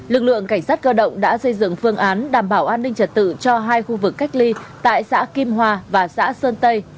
lực lượng cảnh sát cơ động đã xây dựng phương án đảm bảo an ninh trật tự cho hai khu vực cách ly tại xã kim hoa và xã sơn tây